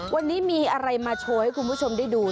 วันนี้มีอะไรมาโชว์ให้คุณผู้ชมได้ดู